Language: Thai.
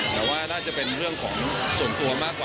แต่ว่าน่าจะเป็นเรื่องของส่วนตัวมากกว่า